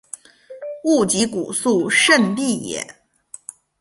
勿吉古肃慎地也。